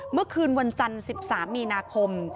เมื่อคืนวันจันทร์๑๓มีนาคม